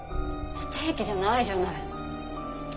ステーキじゃないじゃない。